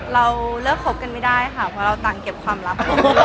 เราเลิกคบกันไม่ได้ค่ะเพราะเราต่างเก็บความลับ